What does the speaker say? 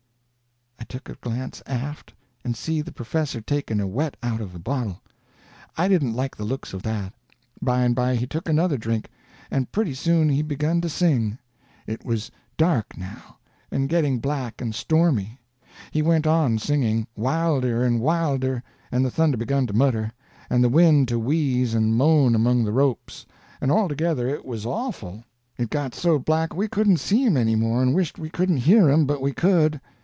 I took a glance aft, and see the professor taking a whet out of a bottle. I didn't like the looks of that. By and by he took another drink, and pretty soon he begun to sing. It was dark now, and getting black and stormy. He went on singing, wilder and wilder, and the thunder begun to mutter, and the wind to wheeze and moan among the ropes, and altogether it was awful. It got so black we couldn't see him any more, and wished we couldn't hear him, but we could.